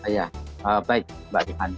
ya baik mbak tiffany